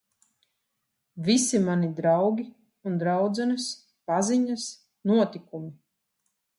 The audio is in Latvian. Visi mani draugi un draudzenes... paziņas... notikumi...